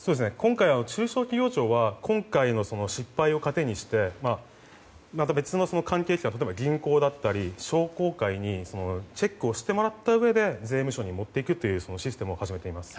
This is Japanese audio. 中小企業庁は今回の失敗を糧にして銀行だったり商工会にチェックをしてもらったうえで税務署に持っていくというシステムを始めています。